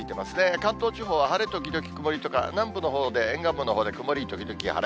関東地方は晴れ時々曇りとか、南部のほうで沿岸部のほうで曇り時々晴れ。